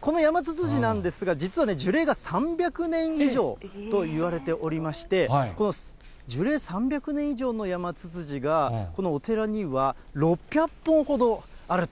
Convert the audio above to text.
このヤマツツジなんですが、実は、樹齢が３００年以上といわれておりまして、樹齢３００年以上のヤマツツジが、このお寺には６００本ほどあると。